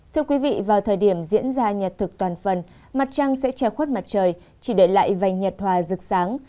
thưa quý vị vào thời điểm diễn ra nhật thực toàn phần mặt trăng sẽ treo khuất mặt trời chỉ để lại vành nhật hòa rực sáng